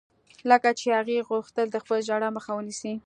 لکه چې هغې غوښتل د خپلې ژړا مخه ونيسي.